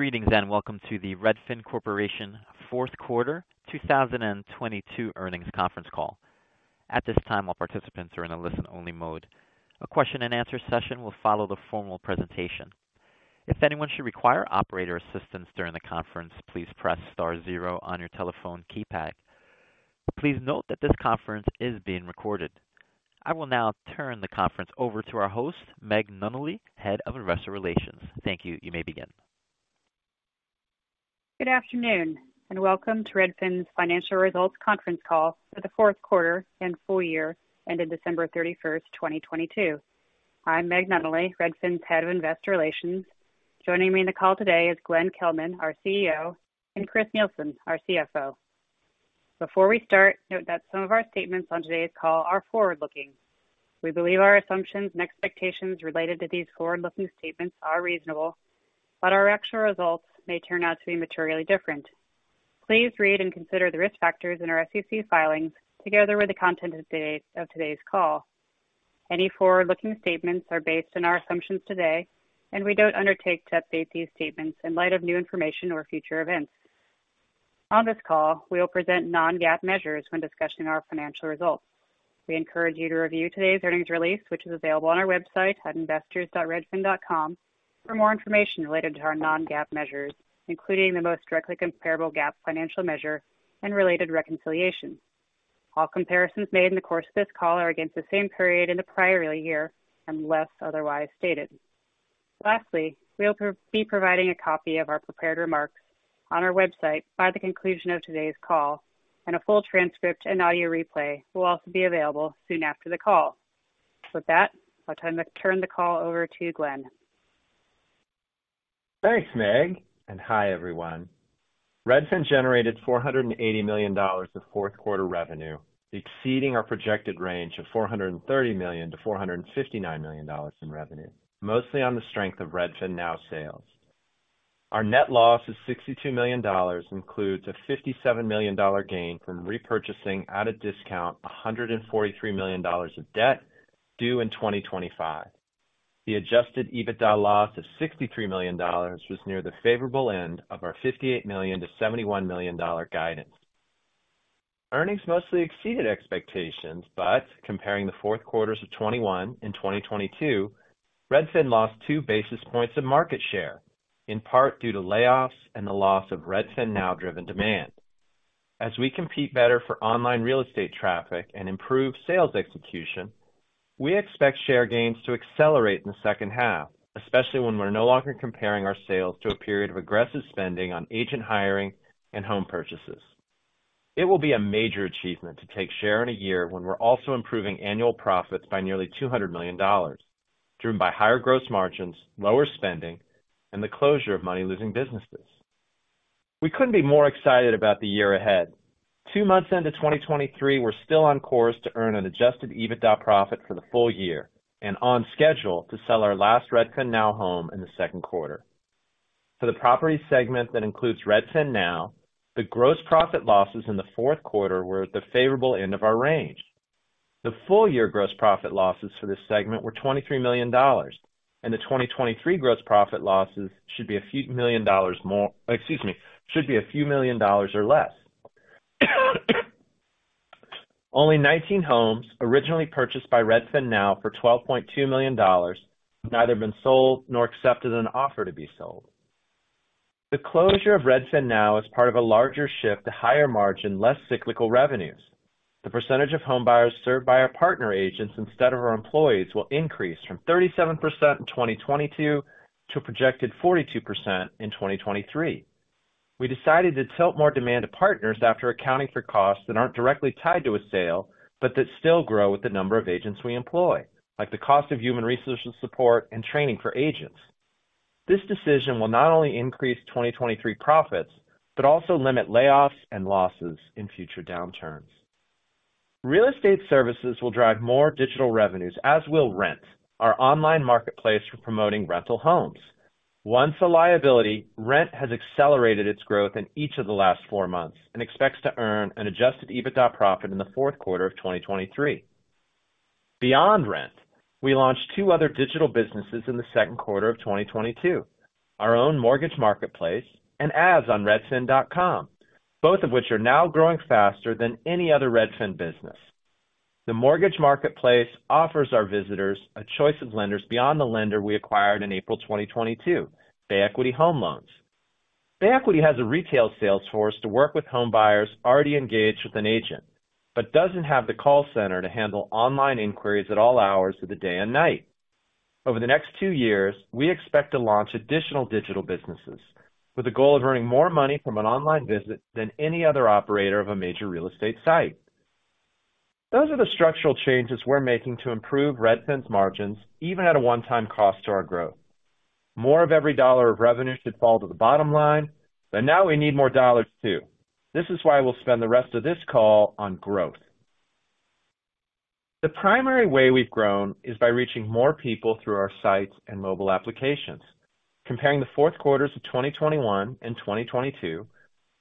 Greetings, welcome to the Redfin Corporation Fourth Quarter 2022 Earnings Conference Call. At this time, all participants are in a listen-only mode. A question-and-answer session will follow the formal presentation. If anyone should require operator assistance during the conference, please press star zero on your telephone keypad. Please note that this conference is being recorded. I will now turn the conference over to our host, Meg Nunnally, Head of Investor Relations. Thank you. You may begin. Good afternoon. Welcome to Redfin's financial results conference call for the fourth quarter and full year ending December 31st, 2022. I'm Meg Nunnally, Redfin's Head of Investor Relations. Joining me in the call today is Glenn Kelman, our CEO, and Chris Nielsen, our CFO. Before we start, note that some of our statements on today's call are forward-looking. We believe our assumptions and expectations related to these forward-looking statements are reasonable. Our actual results may turn out to be materially different. Please read and consider the risk factors in our SEC filings together with the content of today's call. Any forward-looking statements are based on our assumptions today. We don't undertake to update these statements in light of new information or future events. On this call, we will present non-GAAP measures when discussing our financial results. We encourage you to review today's earnings release, which is available on our website at investors.redfin.com for more information related to our non-GAAP measures, including the most directly comparable GAAP financial measure and related reconciliation. All comparisons made in the course of this call are against the same period in the prior year, unless otherwise stated. Lastly, we will be providing a copy of our prepared remarks on our website by the conclusion of today's call, and a full transcript and audio replay will also be available soon after the call. With that, I'll turn the call over to Glenn. Thanks, Meg. Hi, everyone. Redfin generated $480 million of fourth quarter revenue, exceeding our projected range of $430 million-$459 million in revenue, mostly on the strength of RedfinNow sales. Our net loss of $62 million includes a $57 million gain from repurchasing, at a discount, $143 million of debt due in 2025. The adjusted EBITDA loss of $63 million was near the favorable end of our $58 million-$71 million guidance. Earnings mostly exceeded expectations. Comparing the fourth quarters of 2021 and 2022, Redfin lost 2 basis points of market share, in part due to layoffs and the loss of RedfinNow-driven demand. As we compete better for online real estate traffic and improve sales execution, we expect share gains to accelerate in the second half, especially when we're no longer comparing our sales to a period of aggressive spending on agent hiring and home purchases. It will be a major achievement to take share in a year when we're also improving annual profits by nearly $200 million, driven by higher gross margins, lower spending, and the closure of money-losing businesses. We couldn't be more excited about the year ahead. Two months into 2023, we're still on course to earn an adjusted EBITDA profit for the full year and on schedule to sell our last RedfinNow home in the second quarter. For the property segment that includes RedfinNow, the gross profit losses in the fourth quarter were at the favorable end of our range. The full-year gross profit losses for this segment were $23 million. The 2023 gross profit losses should be a few million dollars more. Excuse me, should be a few million dollars or less. Only 19 homes originally purchased by RedfinNow for $12.2 million have neither been sold nor accepted an offer to be sold. The closure of RedfinNow is part of a larger shift to higher margin, less cyclical revenues. The percentage of home buyers served by our partner agents instead of our employees will increase from 37% in 2022 to a projected 42% in 2023. We decided to tilt more demand to partners after accounting for costs that aren't directly tied to a sale, but that still grow with the number of agents we employ, like the cost of human resource support and training for agents. This decision will not only increase 2023 profits, but also limit layoffs and losses in future downturns. Real estate services will drive more digital revenues, as will Rent, our online marketplace for promoting rental homes. Once a liability, Rent has accelerated its growth in each of the last four months and expects to earn an adjusted EBITDA profit in the fourth quarter of 2023. Beyond Rent, we launched two other digital businesses in the second quarter of 2022, our own mortgage marketplace and ads on Redfin.com, both of which are now growing faster than any other Redfin business. The mortgage marketplace offers our visitors a choice of lenders beyond the lender we acquired in April 2022, Bay Equity Home Loans. Bay Equity has a retail sales force to work with home buyers already engaged with an agent, but doesn't have the call center to handle online inquiries at all hours of the day and night. Over the next two years, we expect to launch additional digital businesses with the goal of earning more money from an online visit than any other operator of a major real estate site. Those are the structural changes we're making to improve Redfin's margins, even at a one-time cost to our growth. More of every dollar of revenue should fall to the bottom line, but now we need more dollars too. This is why we'll spend the rest of this call on growth. The primary way we've grown is by reaching more people through our sites and mobile applications. Comparing the fourth quarters of 2021 and 2022,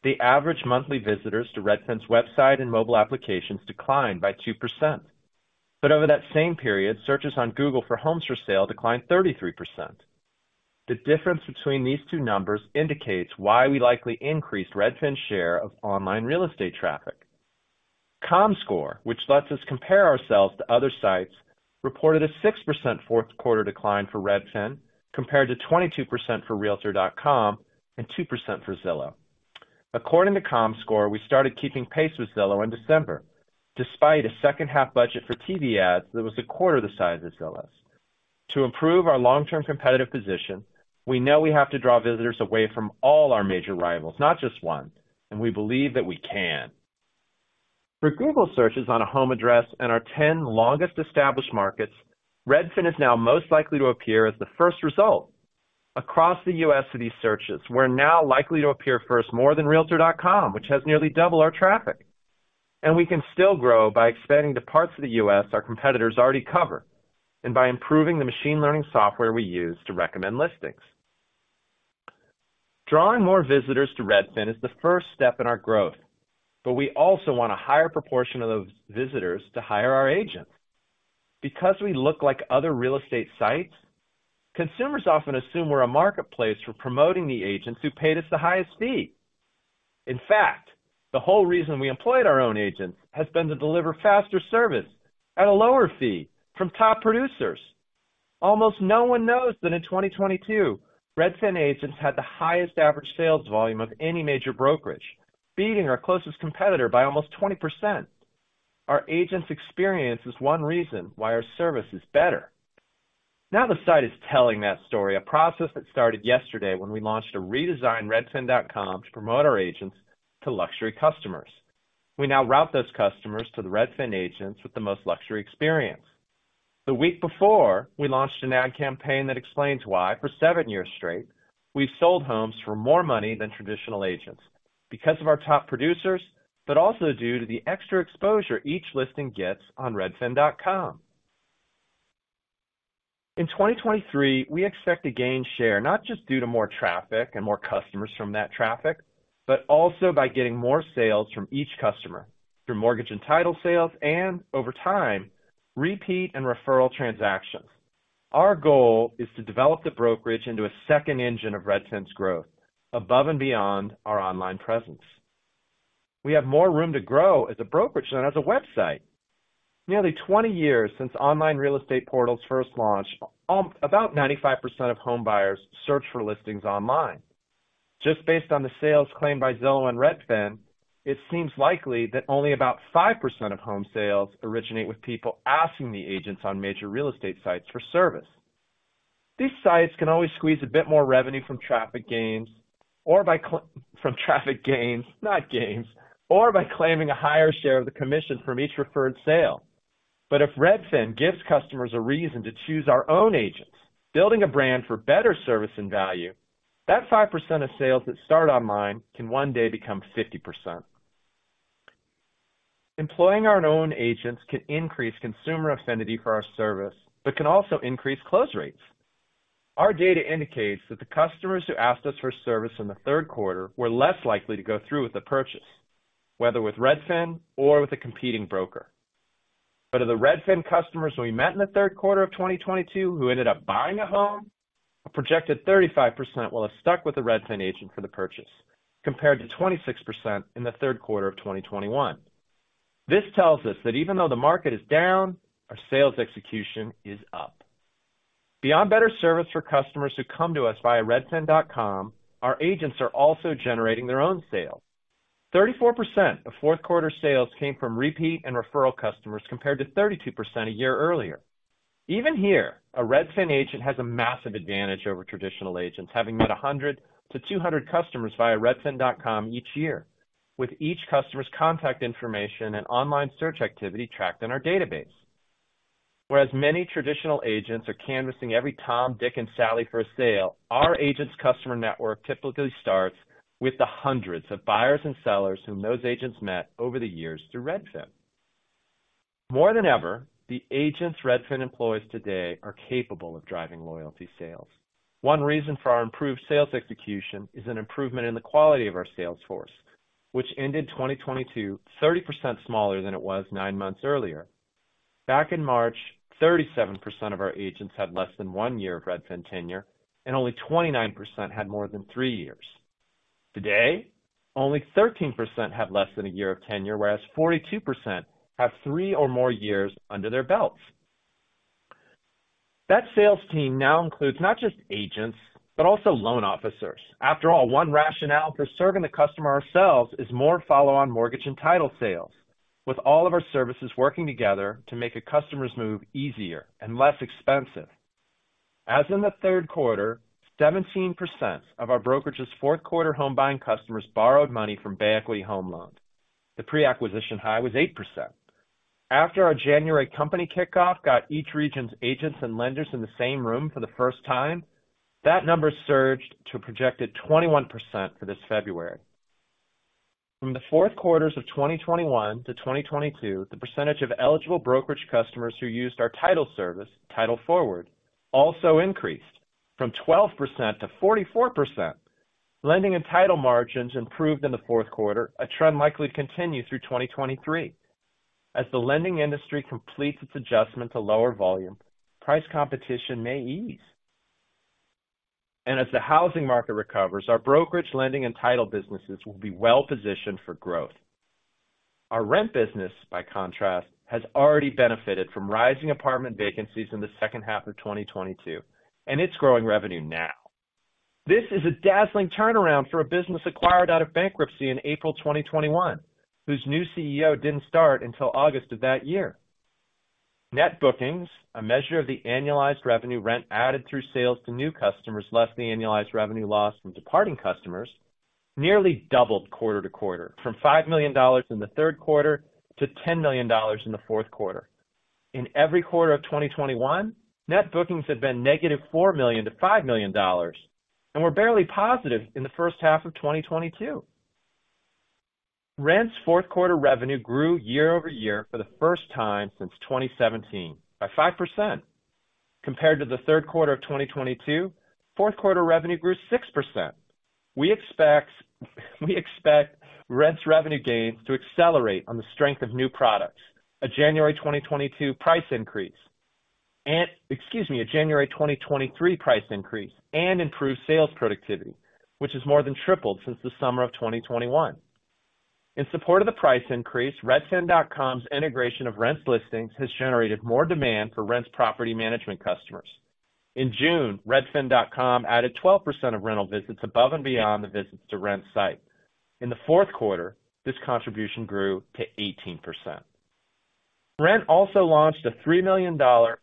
the average monthly visitors to Redfin's website and mobile applications declined by 2%. Over that same period, searches on Google for homes for sale declined 33%. The difference between these two numbers indicates why we likely increased Redfin's share of online real estate traffic. Comscore, which lets us compare ourselves to other sites, reported a 6% fourth quarter decline for Redfin compared to 22% for realtor.com and 2% for Zillow. According to Comscore, we started keeping pace with Zillow in December, despite a second-half budget for TV ads that was a quarter of the size of Zillow's. To improve our long-term competitive position, we know we have to draw visitors away from all our major rivals, not just one, and we believe that we can. For Google searches on a home address and our 10 longest-established markets, Redfin is now most likely to appear as the first result. Across the U.S. city searches, we're now likely to appear first more than realtor.com, which has nearly double our traffic, we can still grow by expanding to parts of the U.S. our competitors already cover, and by improving the machine learning software we use to recommend listings. Drawing more visitors to Redfin is the first step in our growth, we also want a higher proportion of those visitors to hire our agents. Because we look like other real estate sites, consumers often assume we're a marketplace for promoting the agents who paid us the highest fee. In fact, the whole reason we employed our own agents has been to deliver faster service at a lower fee from top producers. Almost no one knows that in 2022, Redfin agents had the highest average sales volume of any major brokerage, beating our closest competitor by almost 20%. Our agents' experience is one reason why our service is better. Now the site is telling that story, a process that started yesterday when we launched a redesigned Redfin.com to promote our agents to luxury customers. We now route those customers to the Redfin agents with the most luxury experience. The week before, we launched an ad campaign that explains why for 7 years straight, we've sold homes for more money than traditional agents because of our top producers, but also due to the extra exposure each listing gets on Redfin.com. In 2023, we expect to gain share, not just due to more traffic and more customers from that traffic, but also by getting more sales from each customer through mortgage and title sales, and over time, repeat and referral transactions. Our goal is to develop the brokerage into a second engine of Redfin's growth above and beyond our online presence. We have more room to grow as a brokerage than as a website. Nearly 20 years since online real estate portals first launched, about 95% of home buyers search for listings online. Just based on the sales claimed by Zillow and Redfin, it seems likely that only about 5% of home sales originate with people asking the agents on major real estate sites for service. These sites can always squeeze a bit more revenue from traffic gains or by from traffic gains, not games, or by claiming a higher share of the commission from each referred sale. If Redfin gives customers a reason to choose our own agents, building a brand for better service and value, that 5% of sales that start online can one day become 50%. Employing our own agents can increase consumer affinity for our service, but can also increase close rates. Our data indicates that the customers who asked us for service in the third quarter were less likely to go through with the purchase, whether with Redfin or with a competing broker. Of the Redfin customers who we met in the third quarter of 2022 who ended up buying a home, a projected 35% will have stuck with the Redfin agent for the purchase, compared to 26% in the third quarter of 2021. This tells us that even though the market is down, our sales execution is up. Beyond better service for customers who come to us via Redfin.com, our agents are also generating their own sales. 34% of fourth quarter sales came from repeat and referral customers, compared to 32% a year earlier. Even here, a Redfin agent has a massive advantage over traditional agents, having met 100-200 customers via Redfin.com each year, with each customer's contact information and online search activity tracked in our database. Whereas many traditional agents are canvassing every Tom, Dickson, and Sally for a sale, our agents' customer network typically starts with the hundreds of buyers and sellers whom those agents met over the years through Redfin. More than ever, the agents Redfin employs today are capable of driving loyalty sales. One reason for our improved sales execution is an improvement in the quality of our sales force, which ended 2022 30% smaller than it was 9 months earlier. Back in March, 37% of our agents had less than 1 year of Redfin tenure, and only 29% had more than 3 years. Today, only 13% have less than a year of tenure, whereas 42% have 3 or more years under their belts. That sales team now includes not just agents, but also loan officers. After all, one rationale for serving the customer ourselves is more follow on mortgage and title sales, with all of our services working together to make a customer's move easier and less expensive. As in the third quarter, 17% of our brokerage's fourth quarter home buying customers borrowed money from Bay Equity Home Loans. The pre-acquisition high was 8%. After our January company kickoff got each region's agents and lenders in the same room for the first time, that number surged to a projected 21% for this February. From the fourth quarters of 2021-2022, the percentage of eligible brokerage customers who used our title service, Title Forward, also increased from 12%-44%. Lending and title margins improved in the fourth quarter, a trend likely to continue through 2023. As the lending industry completes its adjustment to lower volume, price competition may ease. As the housing market recovers, our brokerage lending and title businesses will be well-positioned for growth. Our rent business, by contrast, has already benefited from rising apartment vacancies in the second half of 2022, and it's growing revenue now. This is a dazzling turnaround for a business acquired out of bankruptcy in April 2021, whose new CEO didn't start until August of that year. Net bookings, a measure of the annualized revenue Rent added through sales to new customers less than the annualized revenue loss from departing customers, nearly doubled quarter-to-quarter, from $5 million in the third quarter to $10 million in the fourth quarter. In every quarter of 2021, net bookings had been -$4 million-$5 million and were barely positive in the first half of 2022. Rent's fourth quarter revenue grew year-over-year for the first time since 2017 by 5%. Compared to the third quarter of 2022, fourth quarter revenue grew 6%. We expect Rent's revenue gains to accelerate on the strength of new products, a January 2022 price increase and, excuse me, a January 2023 price increase and improved sales productivity, which has more than tripled since the summer of 2021. In support of the price increase, Redfin.com's integration of Rent's listings has generated more demand for Rent's property management customers. In June, Redfin.com added 12% of rental visits above and beyond the visits to Rent site. In the fourth quarter, this contribution grew to 18%. Rent also launched a $3 million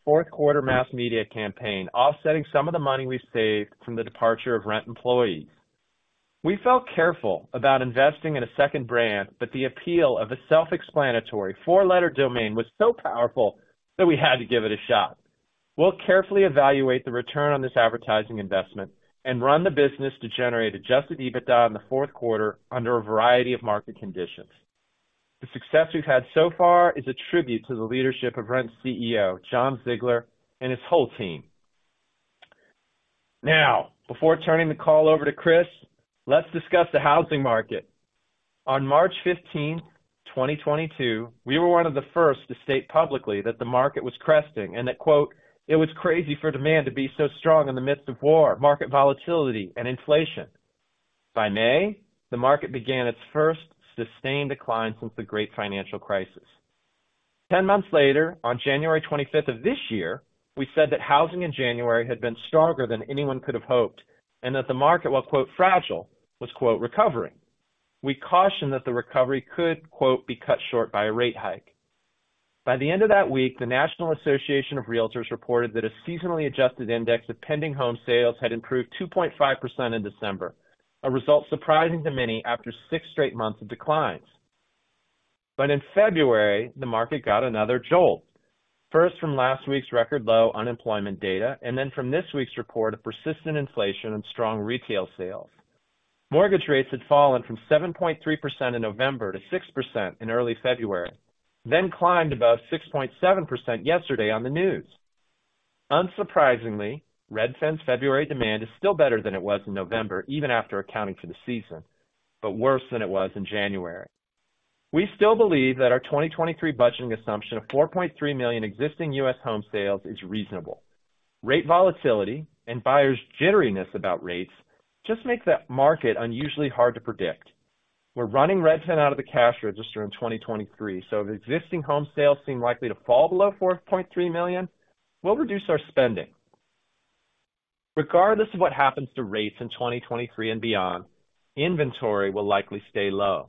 fourth quarter mass media campaign, offsetting some of the money we saved from the departure of Rent employees. We felt careful about investing in a second brand, but the appeal of a self-explanatory four-letter domain was so powerful that we had to give it a shot. We'll carefully evaluate the return on this advertising investment and run the business to generate adjusted EBITDA in the fourth quarter under a variety of market conditions. The success we've had so far is a tribute to the leadership of Rent's CEO, Jon Ziglar, and his whole team. Before turning the call over to Chris Nielsen, let's discuss the housing market. On March 15, 2022, we were one of the first to state publicly that the market was cresting and that, quote, "It was crazy for demand to be so strong in the midst of war, market volatility, and inflation." By May, the market began its first sustained decline since the great financial crisis. 10 months later, on January 25th of this year, we said that housing in January had been stronger than anyone could have hoped, and that the market, while, quote, "fragile," was, quote, "recovering." We cautioned that the recovery could, quote, "be cut short by a rate hike." By the end of that week, the National Association of Realtors reported that a seasonally adjusted index of pending home sales had improved 2.5% in December, a result surprising to many after 6 straight months of declines. In February, the market got another jolt, first from last week's record low unemployment data and then from this week's report of persistent inflation and strong retail sales. Mortgage rates had fallen from 7.3% in November to 6% in early February, then climbed above 6.7% yesterday on the news. Unsurprisingly, Redfin's February demand is still better than it was in November, even after accounting for the season, but worse than it was in January. We still believe that our 2023 budgeting assumption of 4.3 million existing US home sales is reasonable. Rate volatility and buyers' jitteriness about rates just makes that market unusually hard to predict. We're running Redfin out of the cash register in 2023, so if existing home sales seem likely to fall below 4.3 million, we'll reduce our spending. Regardless of what happens to rates in 2023 and beyond, inventory will likely stay low.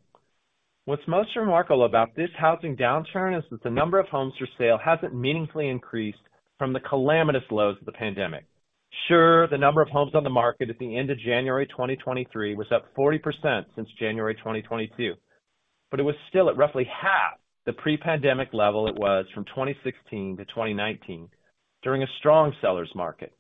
What's most remarkable about this housing downturn is that the number of homes for sale hasn't meaningfully increased from the calamitous lows of the pandemic. Sure, the number of homes on the market at the end of January 2023 was up 40% since January 2022. It was still at roughly half the pre-pandemic level it was from 2016 to 2019 during a strong sellers market.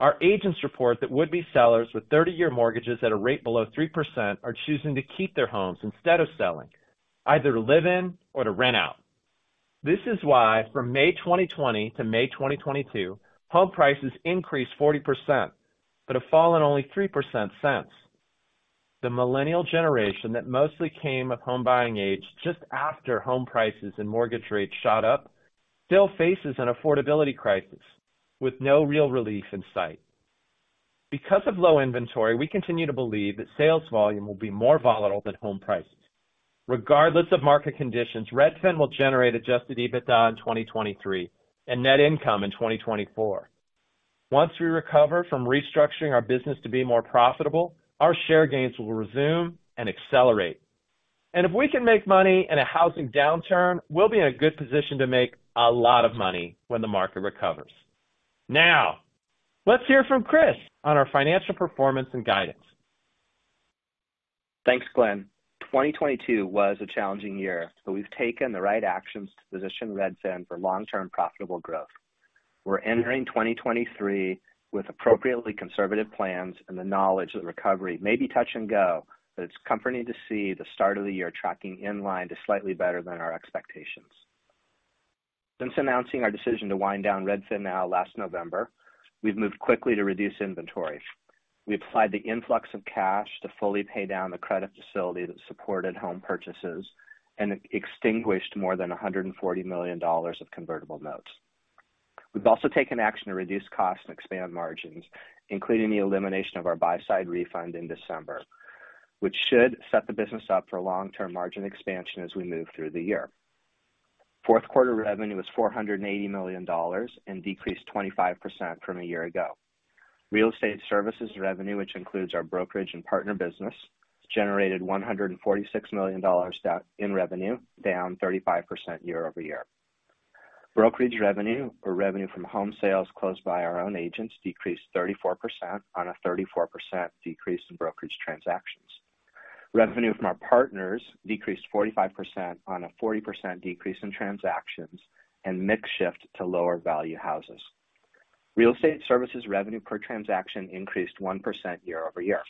Our agents report that would-be sellers with 30-year mortgages at a rate below 3% are choosing to keep their homes instead of selling, either to live in or to rent out. This is why from May 2020 to May 2022, home prices increased 40%, but have fallen only 3% since. The millennial generation that mostly came of home buying age just after home prices and mortgage rates shot up still faces an affordability crisis with no real relief in sight. Because of low inventory, we continue to believe that sales volume will be more volatile than home prices. Regardless of market conditions, Redfin will generate adjusted EBITDA in 2023 and net income in 2024. Once we recover from restructuring our business to be more profitable, our share gains will resume and accelerate. If we can make money in a housing downturn, we'll be in a good position to make a lot of money when the market recovers. Let's hear from Chris on our financial performance and guidance. Thanks, Glenn. 2022 was a challenging year, we've taken the right actions to position Redfin for long-term profitable growth. We're entering 2023 with appropriately conservative plans and the knowledge that recovery may be touch and go, it's comforting to see the start of the year tracking in line to slightly better than our expectations. Since announcing our decision to wind down RedfinNow last November, we've moved quickly to reduce inventory. We applied the influx of cash to fully pay down the credit facility that supported home purchases and extinguished more than $140 million of convertible notes. We've also taken action to reduce costs and expand margins, including the elimination of our buy-side refund in December, which should set the business up for long-term margin expansion as we move through the year. Fourth quarter revenue was $480 million and decreased 25% from a year ago. Real estate services revenue, which includes our brokerage and partner business, generated $146 million in revenue, down 35% year-over-year. Brokerage revenue, or revenue from home sales closed by our own agents, decreased 34% on a 34% decrease in brokerage transactions. Revenue from our partners decreased 45% on a 40% decrease in transactions and mix shift to lower value houses. Real estate services revenue per transaction increased 1% year-over-year.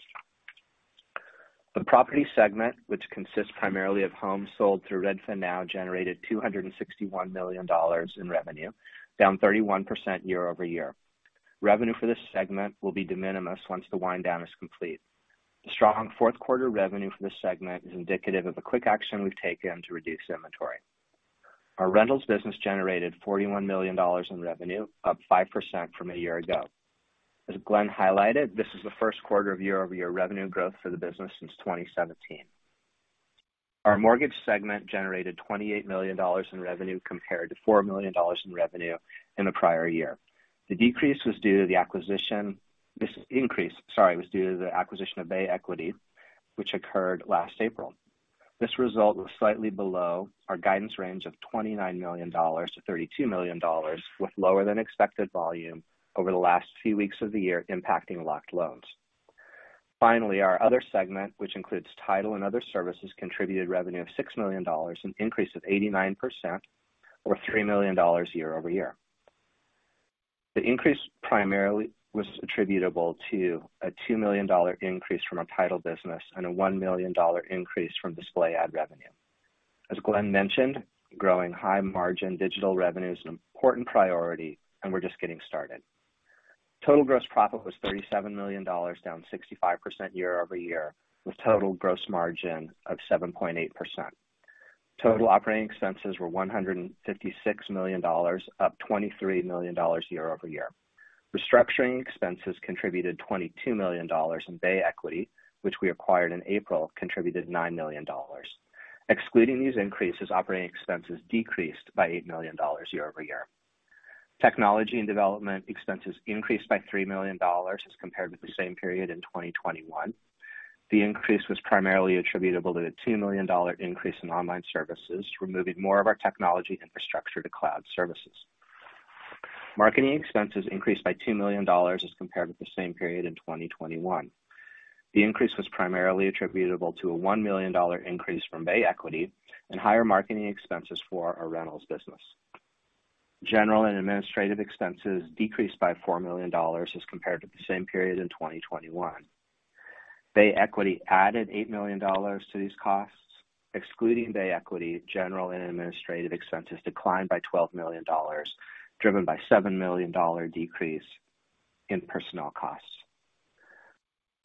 The property segment, which consists primarily of homes sold through RedfinNow, generated $261 million in revenue, down 31% year-over-year. Revenue for this segment will be de minimis once the wind down is complete. The strong fourth quarter revenue for this segment is indicative of the quick action we've taken to reduce inventory. Our rentals business generated $41 million in revenue, up 5% from a year ago. As Glenn highlighted, this is the first quarter of year-over-year revenue growth for the business since 2017. Our mortgage segment generated $28 million in revenue compared to $4 million in revenue in the prior year. The decrease was due to the acquisition. This increase, sorry, was due to the acquisition of Bay Equity, which occurred last April. This result was slightly below our guidance range of $29 million-$32 million, with lower than expected volume over the last few weeks of the year, impacting locked loans. Finally, our other segment, which includes title and other services, contributed revenue of $6 million, an increase of 89% or $3 million year-over-year. The increase primarily was attributable to a $2 million increase from our title business and a $1 million increase from display ad revenue. As Glenn mentioned, growing high-margin digital revenue is an important priority, and we're just getting started. Total gross profit was $37 million, down 65% year-over-year, with total gross margin of 7.8%. Total operating expenses were $156 million, up $23 million year-over-year. Restructuring expenses contributed $22 million, and Bay Equity, which we acquired in April, contributed $9 million. Excluding these increases, operating expenses decreased by $8 million year-over-year. Technology and development expenses increased by $3 million as compared with the same period in 2021. The increase was primarily attributable to a $2 million increase in online services, removing more of our technology infrastructure to cloud services. Marketing expenses increased by $2 million as compared with the same period in 2021. The increase was primarily attributable to a $1 million increase from Bay Equity and higher marketing expenses for our rentals business. General and administrative expenses decreased by $4 million as compared to the same period in 2021. Bay Equity added $8 million to these costs. Excluding Bay Equity, general and administrative expenses declined by $12 million, driven by $7 million decrease in personnel costs.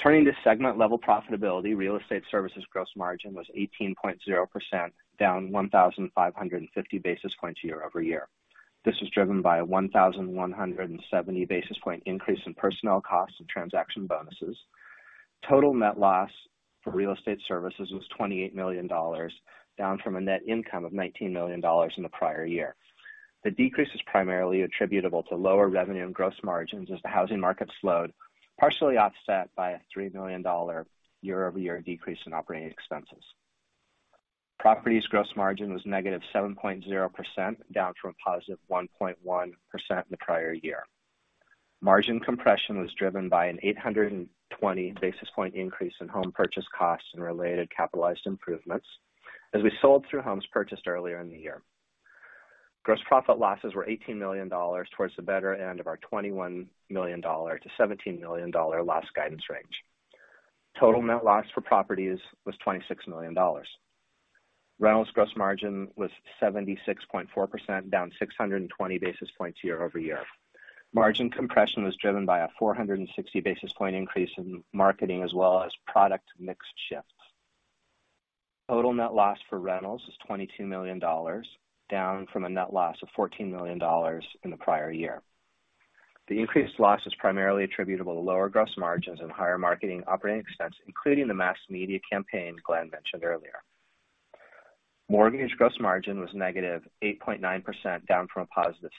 Turning to segment-level profitability, real estate services gross margin was 18.0%, down 1,550 basis points year-over-year. This was driven by a 1,170 basis point increase in personnel costs and transaction bonuses. Total net loss for real estate services was $28 million, down from a net income of $19 million in the prior year. The decrease is primarily attributable to lower revenue and gross margins as the housing market slowed, partially offset by a $3 million year-over-year decrease in operating expenses. Properties gross margin was -7.0%, down from a positive 1.1% in the prior year. Margin compression was driven by an 820 basis point increase in home purchase costs and related capitalized improvements as we sold through homes purchased earlier in the year. Gross profit losses were $18 million towards the better end of our $21 million-$17 million loss guidance range. Total net loss for properties was $26 million. Rentals gross margin was 76.4%, down 620 basis points year-over-year. Margin compression was driven by a 460 basis point increase in marketing as well as product mix shifts. Total net loss for rentals is $22 million, down from a net loss of $14 million in the prior year. The increased loss is primarily attributable to lower gross margins and higher marketing operating expense, including the mass media campaign Glenn mentioned earlier. Mortgage gross margin was -8.9%, down from a positive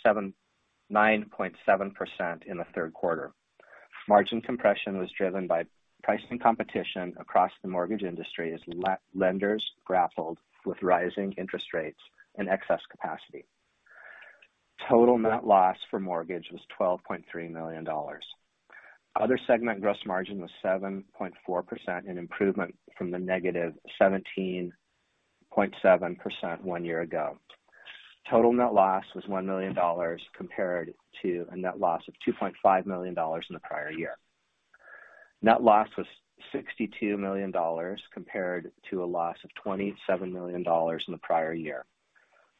9.7% in the third quarter. Margin compression was driven by pricing competition across the mortgage industry as lenders grappled with rising interest rates and excess capacity. Total net loss for mortgage was $12.3 million. Other segment gross margin was 7.4%, an improvement from the -17.7% one year ago. Total net loss was $1 million compared to a net loss of $2.5 million in the prior year. Net loss was $62 million compared to a loss of $27 million in the prior year.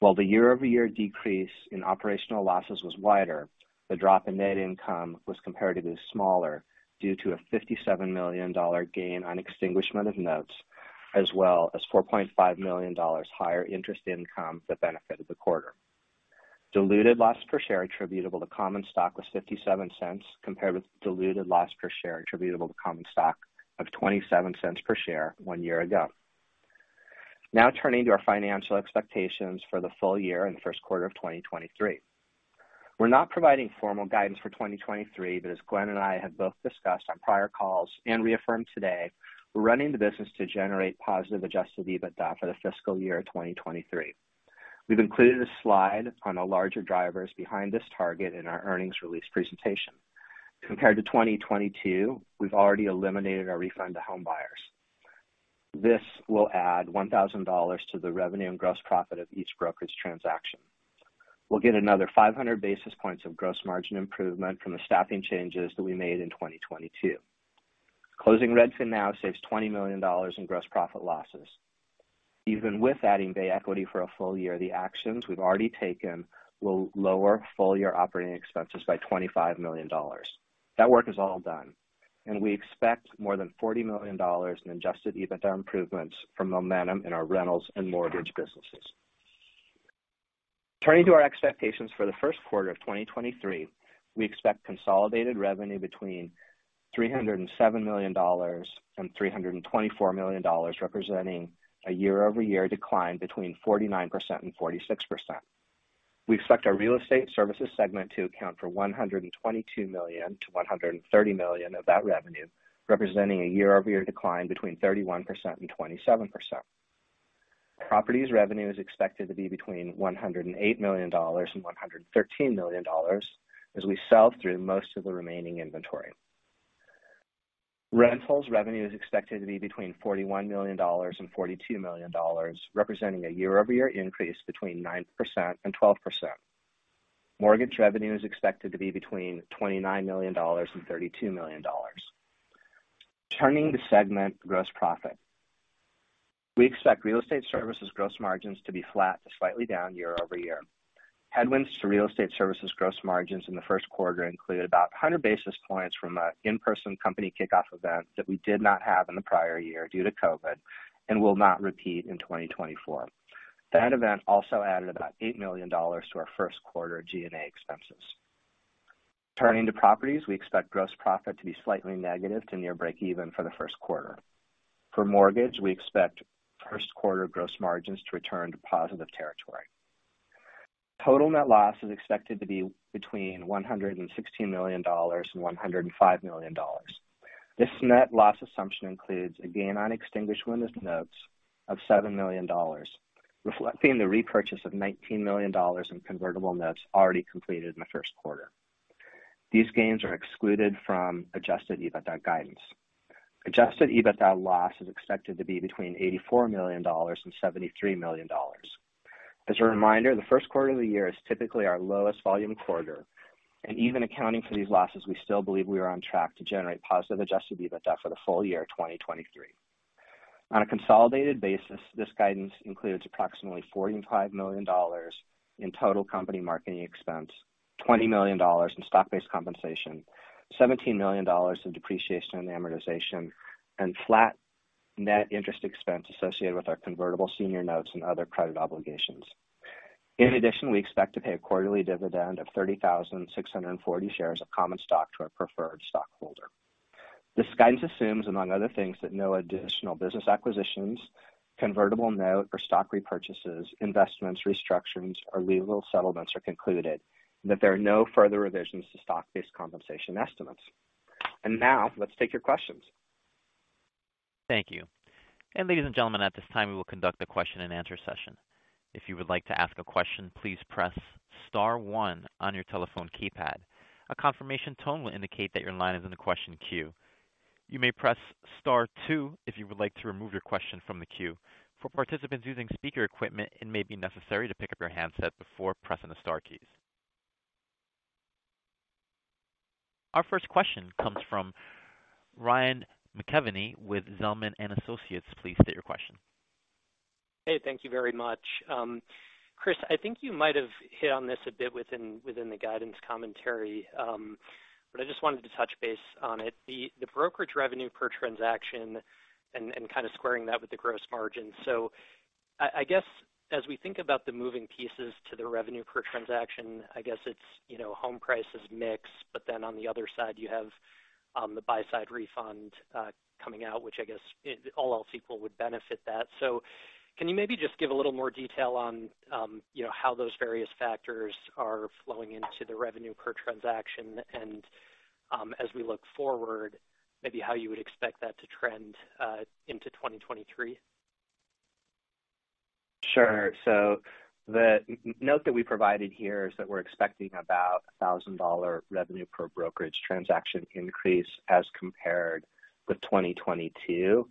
While the year-over-year decrease in operational losses was wider, the drop in net income was comparatively smaller due to a $57 million gain on extinguishment of notes, as well as $4.5 million higher interest income that benefited the quarter. Diluted loss per share attributable to common stock was $0.57, compared with diluted loss per share attributable to common stock of $0.27 per share one year ago. Turning to our financial expectations for the full year and first quarter of 2023. We're not providing formal guidance for 2023, as Glenn and I have both discussed on prior calls and reaffirmed today, we're running the business to generate positive adjusted EBITDA for the fiscal year 2023. We've included a slide on the larger drivers behind this target in our earnings release presentation. Compared to 2022, we've already eliminated our refund to home buyers. This will add $1,000 to the revenue and gross profit of each brokerage transaction. We'll get another 500 basis points of gross margin improvement from the staffing changes that we made in 2022. Closing RedfinNow saves $20 million in gross profit losses. Even with adding Bay Equity for a full year, the actions we've already taken will lower full year operating expenses by $25 million. That work is all done, and we expect more than $40 million in adjusted EBITDA improvements from momentum in our rentals and mortgage businesses. Turning to our expectations for the first quarter of 2023. We expect consolidated revenue between $307 million and $324 million, representing a year-over-year decline between 49% and 46%. We expect our real estate services segment to account for $122 million to $130 million of that revenue, representing a year-over-year decline between 31% and 27%. Properties revenue is expected to be between $108 million and $113 million as we sell through most of the remaining inventory. Rentals revenue is expected to be between $41 million and $42 million, representing a year-over-year increase between 9% and 12%. Mortgage revenue is expected to be between $29 million and $32 million. Turning to segment gross profit. We expect real estate services gross margins to be flat to slightly down year-over-year. Headwinds to real estate services gross margins in the first quarter include about 100 basis points from an in-person company kickoff event that we did not have in the prior year due to COVID and will not repeat in 2024. That event also added about $8 million to our first quarter G&A expenses. Turning to properties, we expect gross profit to be slightly negative to near breakeven for the first quarter. For mortgage, we expect first quarter gross margins to return to positive territory. Total net loss is expected to be between $160 million and $105 million. This net loss assumption includes a gain on extinguishment of notes of $7 million, reflecting the repurchase of $19 million in convertible notes already completed in the first quarter. These gains are excluded from adjusted EBITDA guidance. adjusted EBITDA loss is expected to be between $84 million and $73 million. As a reminder, the first quarter of the year is typically our lowest volume quarter, and even accounting for these losses, we still believe we are on track to generate positive adjusted EBITDA for the full year 2023. On a consolidated basis, this guidance includes approximately $45 million in total company marketing expense, $20 million in stock-based compensation, $17 million in depreciation and amortization, and flat net interest expense associated with our convertible senior notes and other credit obligations. In addition, we expect to pay a quarterly dividend of 30,640 shares of common stock to our preferred stockholder. This guidance assumes, among other things, that no additional business acquisitions, convertible note or stock repurchases, investments, restructurings, or legal settlements are concluded and that there are no further revisions to stock-based compensation estimates. Now let's take your questions. Thank you. Ladies and gentlemen, at this time we will conduct a question-and-answer session. If you would like to ask a question, please press star one on your telephone keypad. A confirmation tone will indicate that your line is in the question queue. You may press star two if you would like to remove your question from the queue. For participants using speaker equipment, it may be necessary to pick up your handset before pressing the star keys. Our first question comes from Ryan McKeveny with Zelman & Associates. Please state your question. Hey, thank you very much. Chris, I think you might have hit on this a bit within the guidance commentary, but I just wanted to touch base on it. The brokerage revenue per transaction and kind of squaring that with the gross margin. I guess as we think about the moving pieces to the revenue per transaction, I guess it's, you know, home prices mix, but then on the other side you have, the buy-side refund, coming out, which I guess all else equal would benefit that. Can you maybe just give a little more detail on, you know, how those various factors are flowing into the revenue per transaction and, as we look forward, maybe how you would expect that to trend, into 2023? Sure. The note that we provided here is that we're expecting about a $1,000 revenue per brokerage transaction increase as compared with 2022.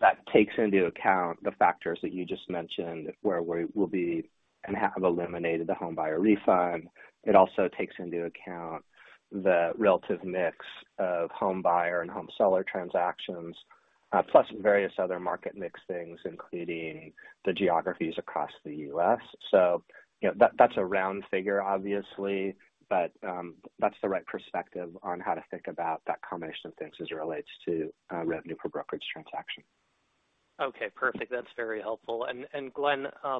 That takes into account the factors that you just mentioned, where we will be and have eliminated the homebuyer refund. It also takes into account the relative mix of home buyer and home seller transactions, plus various other market mix things, including the geographies across the U.S. you know, that's a round figure, obviously, but that's the right perspective on how to think about that combination of things as it relates to revenue per brokerage transaction. Okay, perfect. That's very helpful. Glenn, I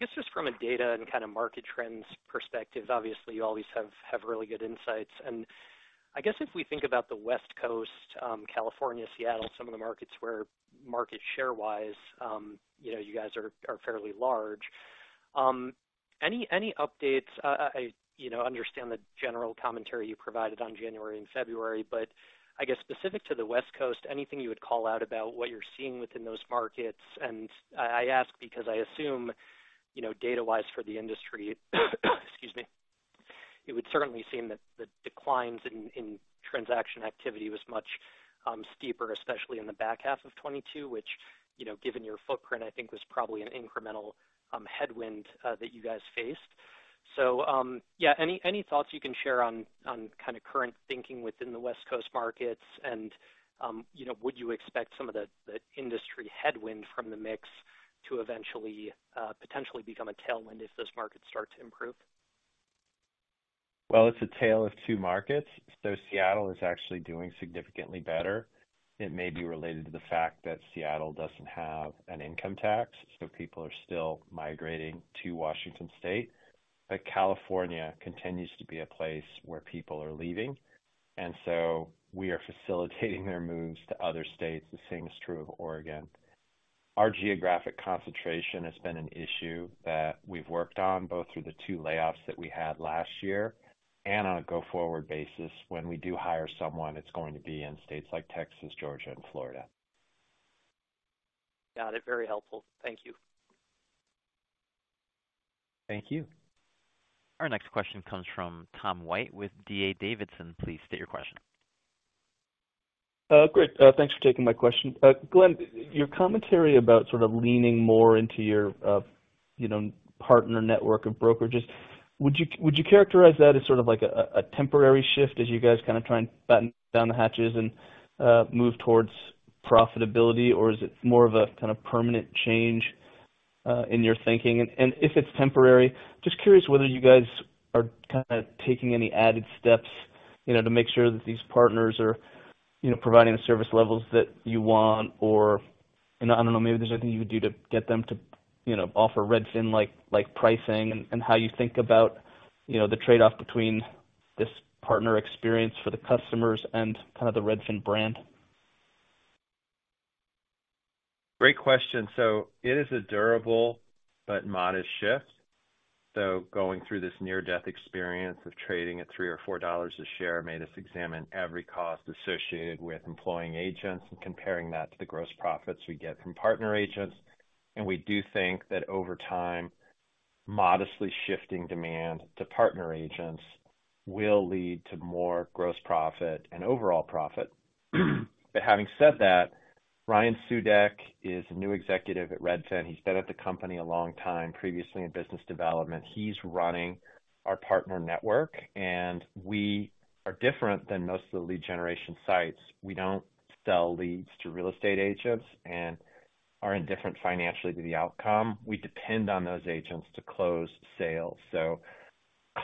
guess just from a data and kinda market trends perspective, obviously you always have really good insights. I guess if we think about the West Coast, California, Seattle, some of the markets where market share-wise, you know, you guys are fairly large. Any updates? I, you know, understand the general commentary you provided on January and February, but I guess specific to the West Coast, anything you would call out about what you're seeing within those markets? I ask because I assume, you know, data-wise for the industry, excuse me, it would certainly seem that the declines in transaction activity was much steeper, especially in the back half of 2022, which, you know, given your footprint, I think was probably an incremental headwind that you guys faced. Yeah, any thoughts you can share on kind of current thinking within the West Coast markets? You know, would you expect some of the industry headwind from the mix to eventually potentially become a tailwind if those markets start to improve? It's a tale of two markets. Seattle is actually doing significantly better. It may be related to the fact that Seattle doesn't have an income tax, so people are still migrating to Washington State. California continues to be a place where people are leaving, and so we are facilitating their moves to other states. The same is true of Oregon. Our geographic concentration has been an issue that we've worked on, both through the two layoffs that we had last year and on a go-forward basis. When we do hire someone, it's going to be in states like Texas, Georgia and Florida. Got it. Very helpful. Thank you. Thank you. Our next question comes from Tom White with D.A. Davidson. Please state your question. Great. Thanks for taking my question. Glenn, your commentary about sort of leaning more into your, you know, partner network of brokerages, would you characterize that as sort of like a temporary shift as you guys kinda try and batten down the hatches and move towards profitability? Or is it more of a kinda permanent change in your thinking? And, if it's temporary, just curious whether you guys are kinda taking any added steps, you know, to make sure that these partners are providing the service levels that you want or, and I don't know, maybe there's nothing you would do to get them to offer Redfin-like pricing and how you think about the trade-off between this partner experience for the customers and kind of the Redfin brand? Great question. It is a durable but modest shift. Going through this near-death experience of trading at $3 or $4 a share made us examine every cost associated with employing agents and comparing that to the gross profits we get from partner agents. We do think that over time, modestly shifting demand to partner agents will lead to more gross profit and overall profit. Having said that, Ryan Sudeck is a new executive at Redfin. He's been at the company a long time, previously in business development. He's running our partner network. We are different than most of the lead generation sites. We don't sell leads to real estate agents and are indifferent financially to the outcome. We depend on those agents to close sales.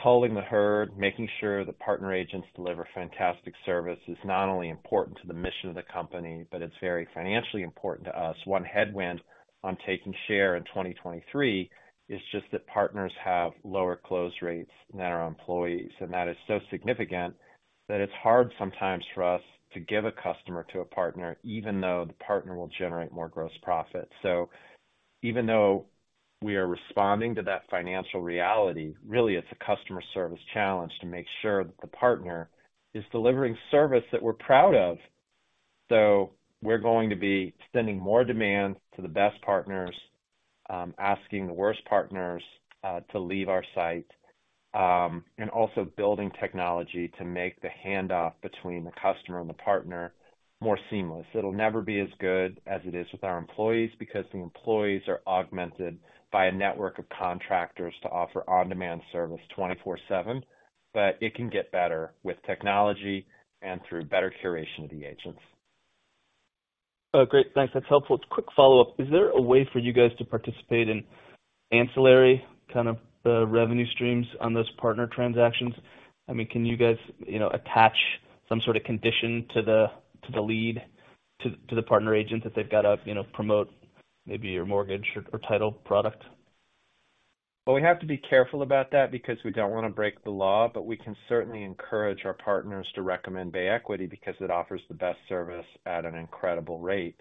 Culling the herd, making sure the partner agents deliver fantastic service is not only important to the mission of the company, but it's very financially important to us. One headwind on taking share in 2023 is just that partners have lower close rates than our employees, and that is so significant that it's hard sometimes for us to give a customer to a partner, even though the partner will generate more gross profit. Even though we are responding to that financial reality, really it's a customer service challenge to make sure that the partner is delivering service that we're proud of. We're going to be sending more demand to the best partners, asking the worst partners to leave our site, and also building technology to make the handoff between the customer and the partner more seamless. It'll never be as good as it is with our employees, because the employees are augmented by a network of contractors to offer on-demand service 24/7, but it can get better with technology and through better curation of the agents. Oh, great. Thanks. That's helpful. Quick follow-up. Is there a way for you guys to participate in ancillary kind of revenue streams on those partner transactions? I mean, can you guys, you know, attach some sort of condition to the, to the lead to the partner agent that they've got to, you know, promote maybe your mortgage or title product? Well, we have to be careful about that because we don't wanna break the law, but we can certainly encourage our partners to recommend Bay Equity because it offers the best service at an incredible rate.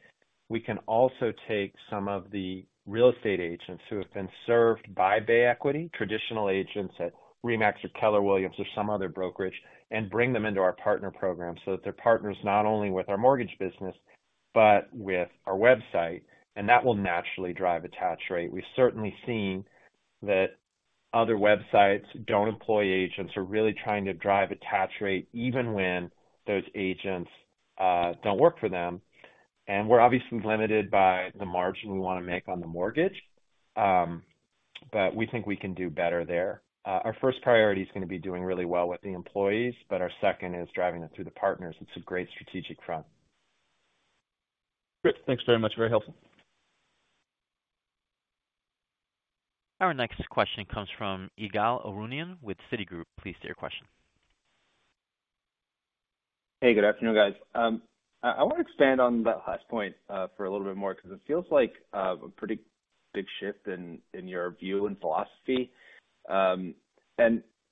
We can also take some of the real estate agents who have been served by Bay Equity, traditional agents at RE/MAX or Keller Williams or some other brokerage, and bring them into our partner program so that they're partners not only with our mortgage business, but with our website, and that will naturally drive attach rate. We've certainly seen that. Other websites don't employ agents, are really trying to drive attach rate even when those agents don't work for them. We're obviously limited by the margin we wanna make on the mortgage. We think we can do better there. Our first priority is gonna be doing really well with the employees, but our second is driving it through the partners. It's a great strategic front. Great. Thanks very much. Very helpful. Our next question comes from Ygal Arounian with Citigroup. Please state your question. Hey, good afternoon, guys. I wanna expand on that last point for a little bit more because it feels like a pretty big shift in your view and philosophy.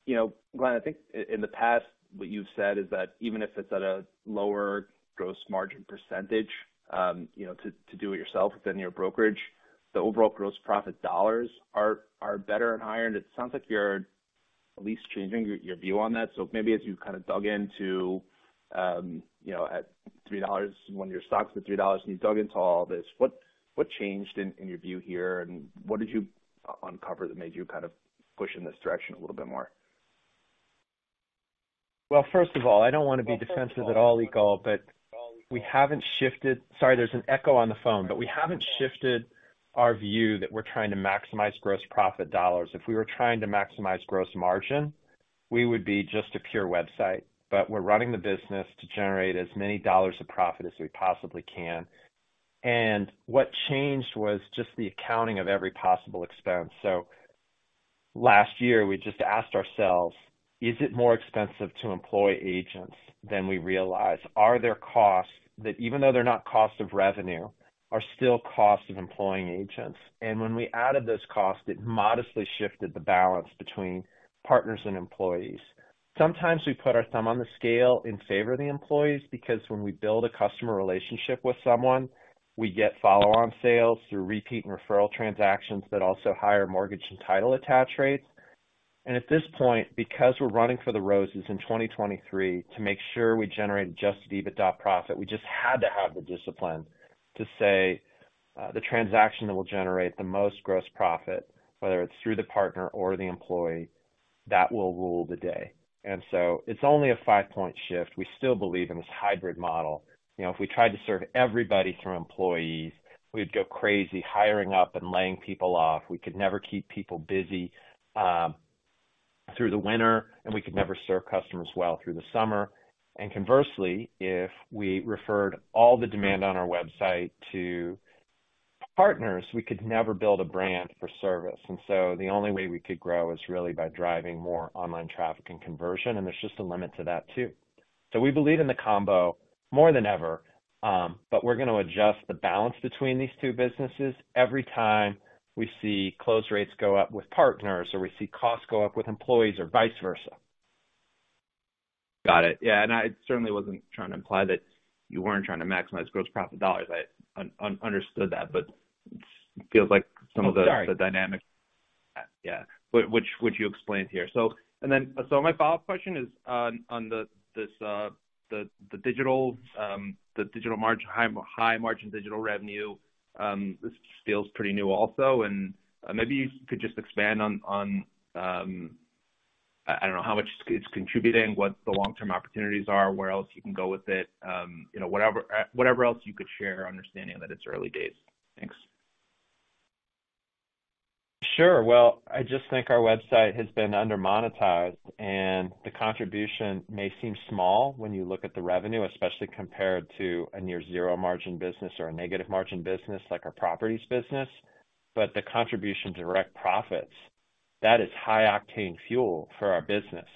You know, Glenn, I think in the past, what you've said is that even if it's at a lower gross margin percentage, you know, to do it yourself within your brokerage, the overall gross profit dollars are better and higher. It sounds like you're at least changing your view on that. Maybe as you kind of dug into, you know, at $3 when your stock's at $3 and you dug into all this, what changed in your view here, and what did you uncover that made you kind of push in this direction a little bit more? First of all, I don't wanna be defensive at all, Ygal. We haven't shifted. Sorry, there's an echo on the phone. We haven't shifted our view that we're trying to maximize gross profit dollars. If we were trying to maximize gross margin, we would be just a pure website. We're running the business to generate as many dollars of profit as we possibly can. What changed was just the accounting of every possible expense. Last year, we just asked ourselves, is it more expensive to employ agents than we realize? Are there costs that even though they're not cost of revenue, are still costs of employing agents? When we added those costs, it modestly shifted the balance between partners and employees. Sometimes we put our thumb on the scale in favor of the employees because when we build a customer relationship with someone, we get follow on sales through repeat and referral transactions that also hire mortgage and title attach rates. At this point, because we're running for the roses in 2023 to make sure we generate adjusted EBITDA profit, we just had to have the discipline to say, the transaction that will generate the most gross profit, whether it's through the partner or the employee, that will rule the day. It's only a 5-point shift. We still believe in this hybrid model. You know, if we tried to serve everybody through employees, we'd go crazy hiring up and laying people off. We could never keep people busy through the winter, and we could never serve customers well through the summer. Conversely, if we referred all the demand on our website to partners, we could never build a brand for service. The only way we could grow is really by driving more online traffic and conversion, and there's just a limit to that too. We believe in the combo more than ever, but we're gonna adjust the balance between these two businesses every time we see close rates go up with partners or we see costs go up with employees or vice versa. Got it. Yeah. I certainly wasn't trying to imply that you weren't trying to maximize gross profit dollars. I understood that, but it feels like some of the- Oh, sorry. the dynamics. Yeah. Which you explained here. My follow-up question is on the, this, the digital, the digital margin, high margin digital revenue, this feels pretty new also. Maybe you could just expand on, I don't know how much it's contributing, what the long-term opportunities are, where else you can go with it, you know, whatever else you could share understanding that it's early days. Thanks. Sure. I just think our website has been under-monetized. The contribution may seem small when you look at the revenue, especially compared to a near zero margin business or a negative margin business like our properties business. The contribution to direct profits, that is high octane fuel for our business,